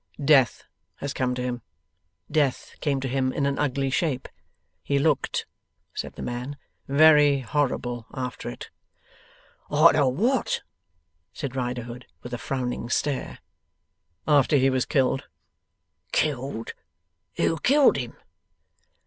'Death has come to him. Death came to him in an ugly shape. He looked,' said the man, 'very horrible after it.' 'Arter what?' said Riderhood, with a frowning stare. 'After he was killed.' 'Killed? Who killed him?